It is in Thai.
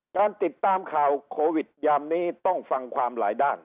การติดตามข่าวโควิดยามนี้ต้องฟังความหลายด้าน